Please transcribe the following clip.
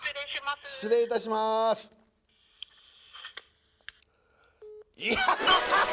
失礼いたしますいやっ！